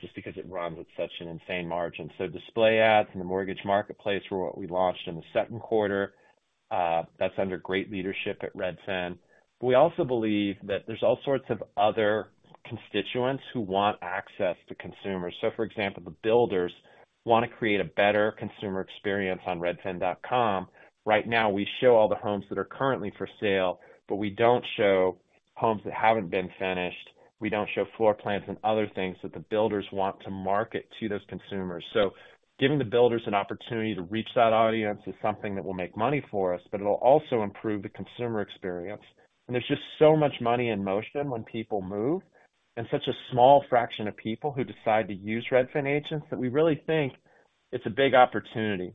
just because it runs with such an insane margin. Display ads in the mortgage marketplace were what we launched in the second quarter. That's under great leadership at Redfin. We also believe that there's all sorts of other constituents who want access to consumers. For example, the builders wanna create a better consumer experience on Redfin.com. Right now, we show all the homes that are currently for sale, but we don't show homes that haven't been finished. We don't show floor plans and other things that the builders want to market to those consumers. Giving the builders an opportunity to reach that audience is something that will make money for us, but it'll also improve the consumer experience. There's just so much money in motion when people move and such a small fraction of people who decide to use Redfin agents that we really think it's a big opportunity.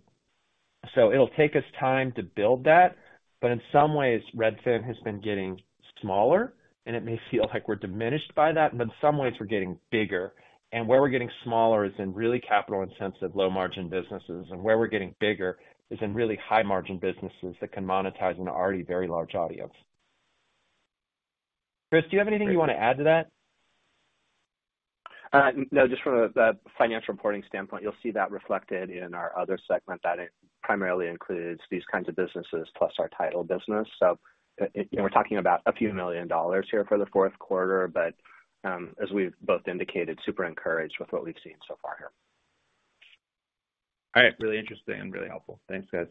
It'll take us time to build that, but in some ways, Redfin has been getting smaller, and it may feel like we're diminished by that, but in some ways we're getting bigger. Where we're getting smaller is in really capital and sensitive low margin businesses. Where we're getting bigger is in really high margin businesses that can monetize an already very large audience. Chris, do you have anything you wanna add to that? No, just from a, the financial reporting standpoint, you'll see that reflected in our other segment that it primarily includes these kinds of businesses plus our title business. You know, we're talking about a few million dollars here for the fourth quarter, but, as we've both indicated, super encouraged with what we've seen so far here. All right. Really interesting and really helpful. Thanks, guys.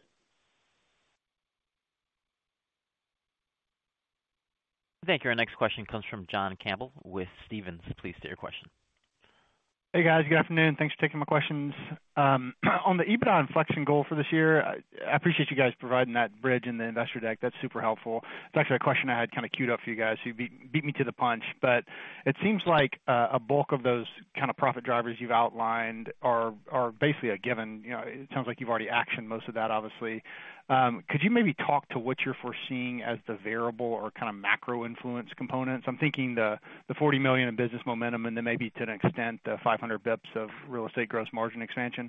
Thank you. Our next question comes from John Campbell with Stephens. Please state your question. Hey guys, good afternoon. Thanks for taking my questions. On the EBITDA inflection goal for this year, I appreciate you guys providing that bridge in the investor deck. That's super helpful. It's actually a question I had kinda queued up for you guys. You beat me to the punch, but it seems like a bulk of those kinda profit drivers you've outlined are basically a given. You know, it sounds like you've already actioned most of that, obviously. Could you maybe talk to what you're foreseeing as the variable or kinda macro influence components? I'm thinking the $40 million in business momentum and then maybe to an extent, the 500 basis points of real estate gross margin expansion.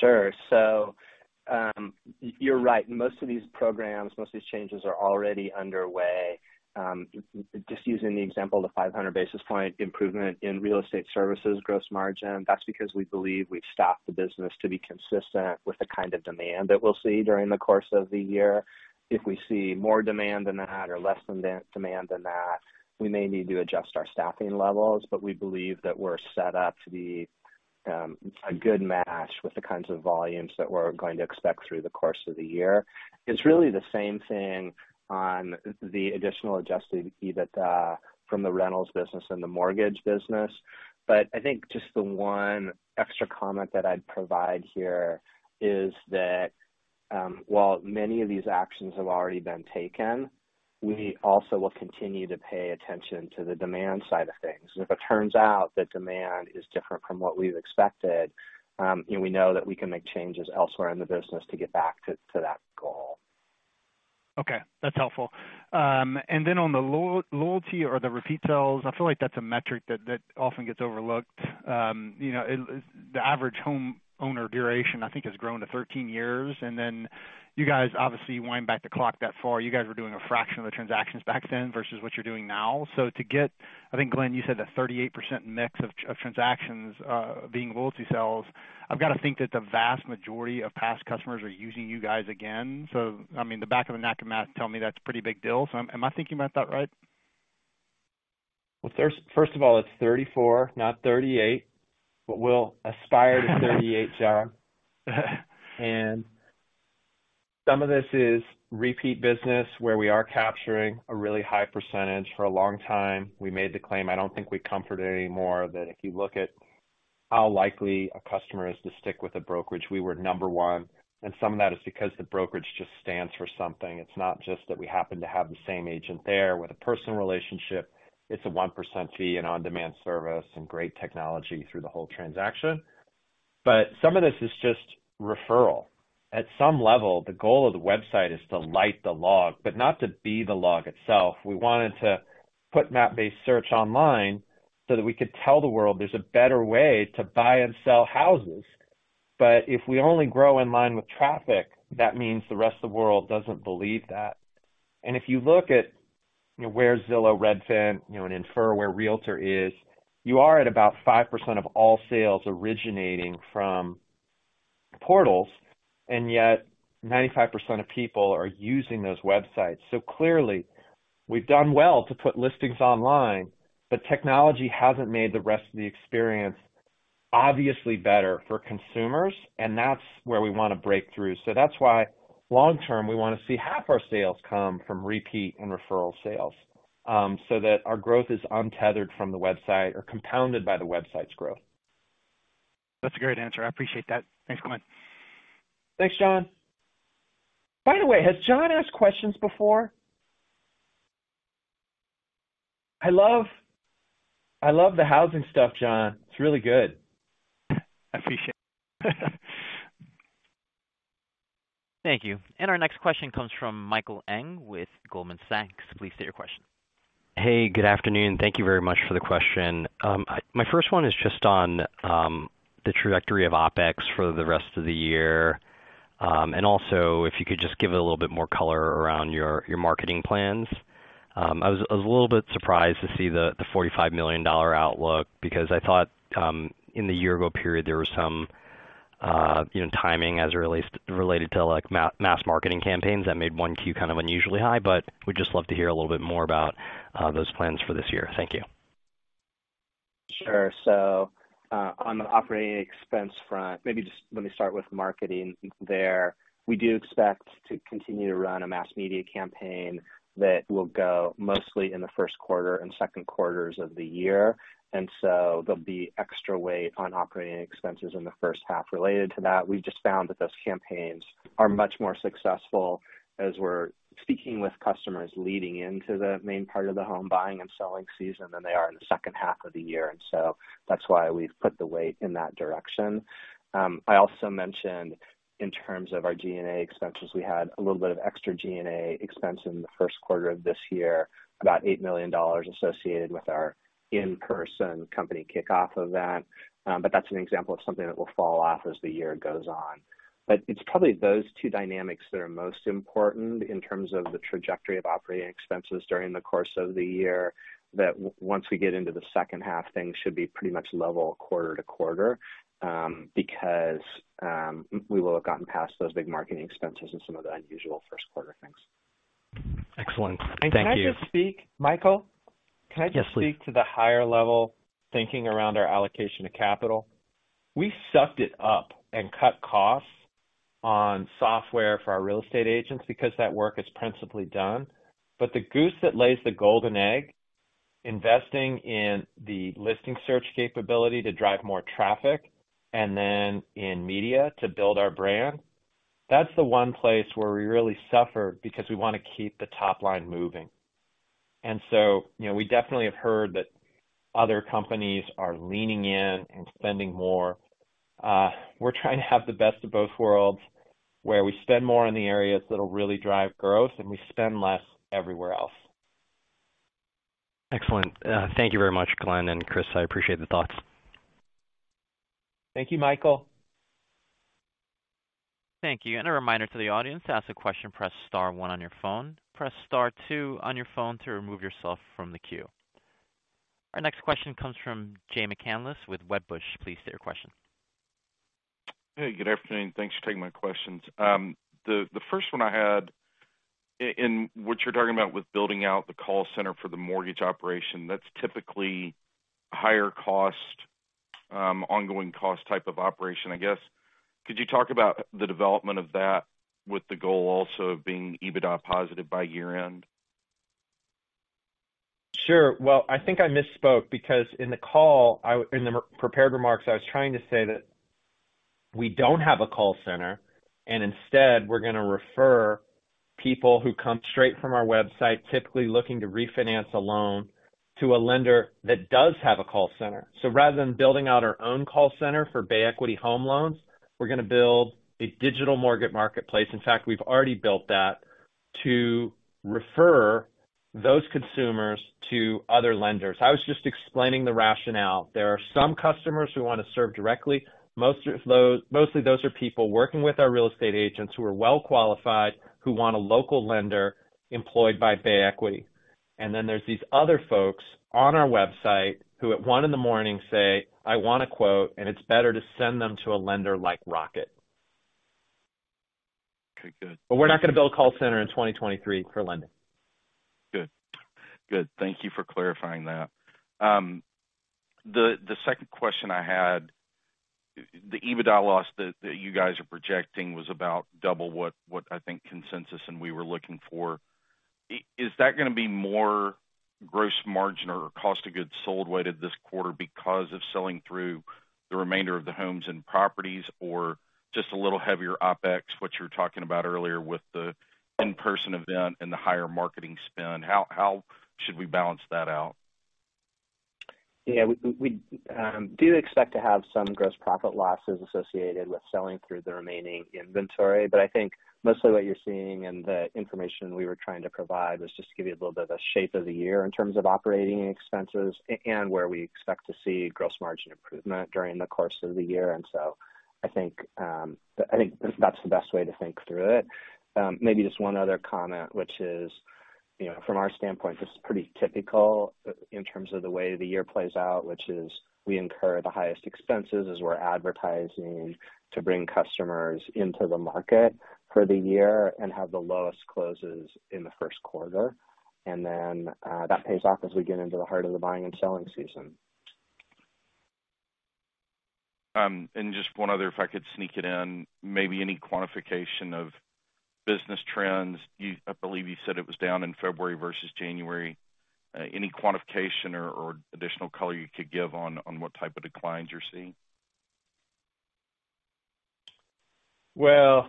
Sure. You're right. Most of these programs, most of these changes are already underway. Just using the example of the 500 basis point improvement in real estate services gross margin, that's because we believe we've staffed the business to be consistent with the kind of demand that we'll see during the course of the year. If we see more demand than that or less than demand than that, we may need to adjust our staffing levels. We believe that we're set up to be a good match with the kinds of volumes that we're going to expect through the course of the year. It's really the same thing on the additional adjusted EBITDA from the rentals business and the mortgage business. I think just the one extra comment that I'd provide here is that, while many of these actions have already been taken, we also will continue to pay attention to the demand side of things. If it turns out that demand is different from what we've expected, you know, we know that we can make changes elsewhere in the business to get back to that goal. Okay, that's helpful. On the loyalty or the repeat sales, I feel like that's a metric that often gets overlooked. You know, the average home owner duration, I think, has grown to 13 years. You guys obviously wind back the clock that far. You guys were doing a fraction of the transactions back then versus what you're doing now. To get, I think, Glenn, you said that 38% mix of transactions being loyalty sales, I've gotta think that the vast majority of past customers are using you guys again. I mean, the back of the napkin math tell me that's a pretty big deal. Am I thinking about that right? Well, first of all, it's 34, not 38, but we'll aspire to 38, John. Some of this is repeat business where we are capturing a really high percentage. For a long time, we made the claim, I don't think we comfort it anymore, that if you look at how likely a customer is to stick with a brokerage, we were number one, and some of that is because the brokerage just stands for something. It's not just that we happen to have the same agent there with a personal relationship. It's a 1% fee, an on-demand service, and great technology through the whole transaction. Some of this is just referral. At some level, the goal of the website is to light the log, but not to be the log itself. We wanted to put map-based search online so that we could tell the world there's a better way to buy and sell houses. If we only grow in line with traffic, that means the rest of the world doesn't believe that. If you look at, you know, where Zillow, Redfin, you know, and infer where realtor is, you are at about 5% of all sales originating from portals, and yet 95% of people are using those websites. Clearly, we've done well to put listings online, but technology hasn't made the rest of the experience obviously better for consumers, and that's where we wanna break through. That's why long term, we wanna see half our sales come from repeat and referral sales, so that our growth is untethered from the website or compounded by the website's growth. That's a great answer. I appreciate that. Thanks, Glenn. Thanks, John. By the way, has John asked questions before? I love the housing stuff, John. It's really good. I appreciate it. Thank you. Our next question comes from Michael Ng with Goldman Sachs. Please state your question. Hey, good afternoon. Thank Thank you very much for the question. My first one is just on the trajectory of OpEx for the rest of the year. Also, if you could just give it a little bit more color around your marketing plans. I was a little bit surprised to see the $45 million outlook because I thought in the year ago period, there was some, you know, timing as it related to, like, mass marketing campaigns that made 1Q kind of unusually high. We'd just love to hear a little bit more about those plans for this year. Thank you. Sure. On the operating expense front, maybe just let me start with marketing there. We do expect to continue to run a mass media campaign that will go mostly in the first quarter and second quarters of the year. There'll be extra weight on operating expenses in the first half related to that. We've just found that those campaigns are much more successful as we're speaking with customers leading into the main part of the home buying and selling season than they are in the second half of the year. That's why we've put the weight in that direction. I also mentioned in terms of our G&A expenses, we had a little bit of extra G&A expense in the first quarter of this year, about $8 million associated with our in-person company kickoff event. That's an example of something that will fall off as the year goes on. It's probably those two dynamics that are most important in terms of the trajectory of operating expenses during the course of the year, that once we get into the second half, things should be pretty much level quarter to quarter, because we will have gotten past those big marketing expenses and some of the unusual first quarter things. Excellent. Thank you. Can I just speak, Michael? Yes, please. Can I just speak to the higher level thinking around our allocation of capital? We sucked it up and cut costs on software for our real estate agents, because that work is principally done. The goose that lays the golden egg, investing in the listing search capability to drive more traffic and then in media to build our brand, that's the one place where we really suffer because we want to keep the top line moving. You know, we definitely have heard that other companies are leaning in and spending more. We're trying to have the best of both worlds, where we spend more in the areas that'll really drive growth and we spend less everywhere else. Excellent. Thank you very much, Glenn and Chris. I appreciate the thoughts. Thank you, Michael. Thank you. A reminder to the audience, to ask a question, press star 1 on your phone. Press star 2 on your phone to remove yourself from the queue. Our next question comes from Jay McCanless with Wedbush. Please state your question. Hey, good afternoon. Thanks for taking my questions. The first one I had in what you're talking about with building out the call center for the mortgage operation, that's typically higher cost, ongoing cost type of operation, I guess. Could you talk about the development of that with the goal also of being EBITDA positive by year-end? Sure. Well, I think I misspoke because in the call, in the prepared remarks, I was trying to say that we don't have a call center, and instead, we're gonna refer people who come straight from our website, typically looking to refinance a loan to a lender that does have a call center. Rather than building out our own call center for Bay Equity Home Loans, we're gonna build a digital mortgage marketplace. In fact, we've already built that to refer those consumers to other lenders. I was just explaining the rationale. There are some customers we wanna serve directly. Mostly, those are people working with our real estate agents who are well qualified, who want a local lender employed by Bay Equity. There's these other folks on our website who at one in the morning say, "I want a quote," and it's better to send them to a lender like Rocket. Okay, good. We're not gonna build a call center in 2023 for lending. Good. Good. Thank you for clarifying that. The second question I had, the EBITDA loss that you guys are projecting was about double what I think consensus and we were looking for. Is that gonna be more gross margin or cost of goods sold weighted this quarter because of selling through the remainder of the homes and properties or just a little heavier OpEx, which you were talking about earlier with the in-person event and the higher marketing spend? How should we balance that out? Yeah. We do expect to have some gross profit losses associated with selling through the remaining inventory. I think mostly what you're seeing and the information we were trying to provide was just to give you a little bit of a shape of the year in terms of operating expenses and where we expect to see gross margin improvement during the course of the year. I think that's the best way to think through it. Maybe just one other comment, which is, you know, from our standpoint, this is pretty typical in terms of the way the year plays out, which is we incur the highest expenses as we're advertising to bring customers into the market for the year and have the lowest closes in the first quarter. That pays off as we get into the heart of the buying and selling season. Just one other, if I could sneak it in. Maybe any quantification of business trends? I believe you said it was down in February versus January. Any quantification or additional color you could give on what type of declines you're seeing? Well,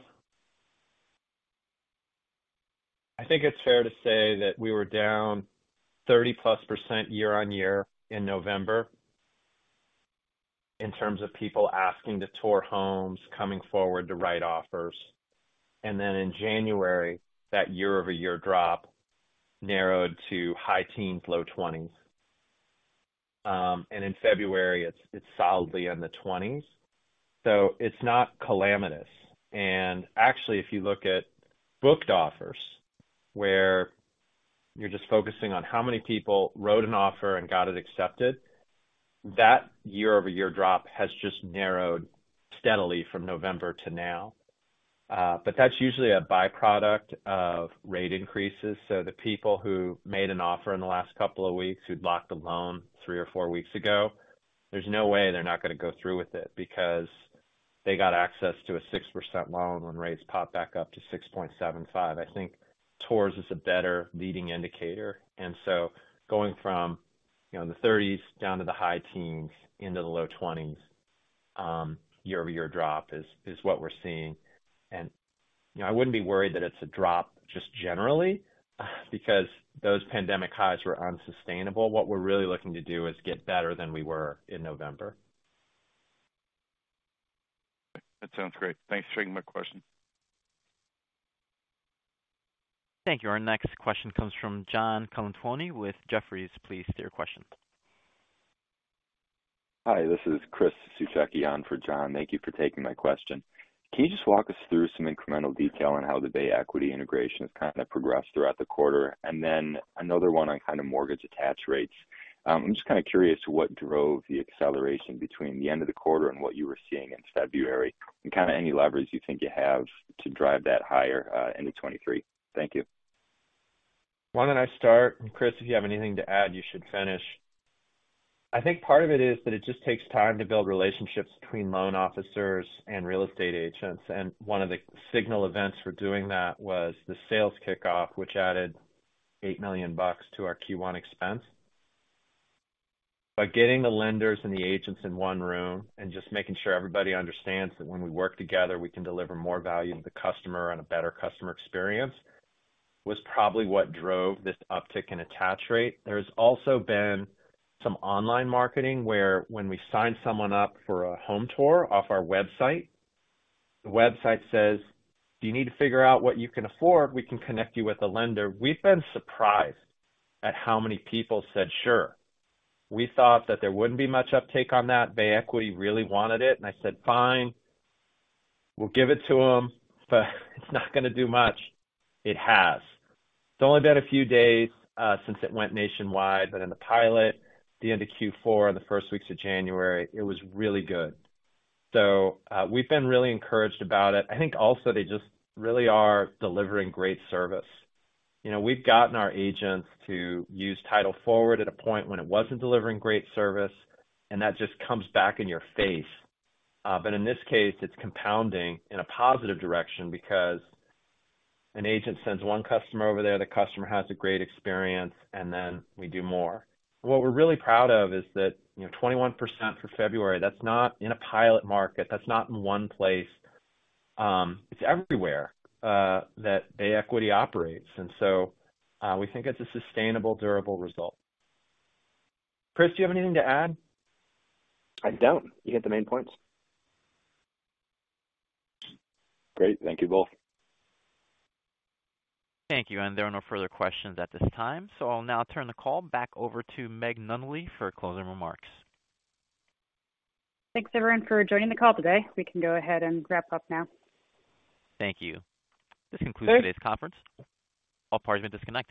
I think it's fair to say that we were down 30%+ year-over-year in November in terms of people asking to tour homes, coming forward to write offers. In January, that year-over-year drop narrowed to high teens, low 20s. In February, it's solidly in the 20s, so it's not calamitous. Actually, if you look at booked offers, where you're just focusing on how many people wrote an offer and got it accepted, that year-over-year drop has just narrowed steadily from November to now. That's usually a byproduct of rate increases. The people who made an offer in the last couple of weeks who'd locked a loan three or four weeks ago, there's no way they're not gonna go through with it because they got access to a 6% loan when rates popped back up to 6.75. I think tours is a better leading indicator. Going from, you know, the 30s down to the high teens into the low 20s, year-over-year drop is what we're seeing. You know, I wouldn't be worried that it's a drop just generally because those pandemic highs were unsustainable. What we're really looking to do is get better than we were in November. That sounds great. Thanks for taking my question. Thank you. Our next question comes from John Colantuoni with Jefferies. Please state your question. Hi, this is Chris Sucheki on for John. Thank you for taking my question. Can you just walk us through some incremental detail on how the Bay Equity integration has kinda progressed throughout the quarter? Another one on kind of mortgage attach rates. I'm just kinda curious what drove the acceleration between the end of the quarter and what you were seeing in February and kinda any leverage you think you have to drive that higher into 2023. Thank you. Why don't I start? Chris, if you have anything to add, you should finish. I think part of it is that it just takes time to build relationships between loan officers and real estate agents. One of the signal events for doing that was the sales kickoff, which added $8 million to our Q1 expense. By getting the lenders and the agents in one room and just making sure everybody understands that when we work together, we can deliver more value to the customer and a better customer experience, was probably what drove this uptick in attach rate. There's also been some online marketing where when we sign someone up for a home tour off our website, the website says, "Do you need to figure out what you can afford? We can connect you with a lender." We've been surprised at how many people said sure. We thought that there wouldn't be much uptake on that. Bay Equity really wanted it, I said, "Fine, we'll give it to them, but it's not gonna do much." It has. It's only been a few days since it went nationwide, but in the pilot, the end of Q4, the first weeks of January, it was really good. We've been really encouraged about it. I think also they just really are delivering great service. You know, we've gotten our agents to use Title Forward at a point when it wasn't delivering great service, that just comes back in your face. In this case, it's compounding in a positive direction because an agent sends one customer over there, the customer has a great experience, then we do more. What we're really proud of is that, you know, 21% for February, that's not in a pilot market, that's not in one place, it's everywhere that Bay Equity operates. We think it's a sustainable, durable result. Chris, do you have anything to add? I don't. You hit the main points. Great. Thank you both. Thank you. There are no further questions at this time. I'll now turn the call back over to Meg Nunnally for closing remarks. Thanks everyone for joining the call today. We can go ahead and wrap up now. Thank you. This concludes today's conference. All parties may disconnect.